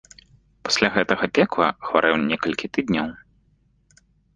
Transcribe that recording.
Пасля гэтага пекла хварэў некалькі тыдняў.